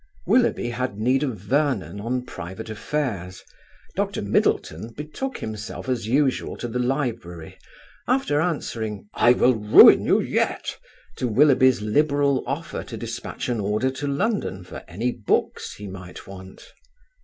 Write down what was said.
Willoughby had need of Vernon on private affairs. Dr. Middleton betook himself as usual to the library, after answering "I will ruin you yet," to Willoughby's liberal offer to despatch an order to London for any books he might want.